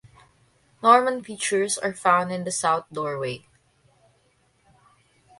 Norman features are found in the south doorway.